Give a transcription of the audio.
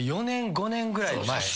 ４年５年ぐらい前。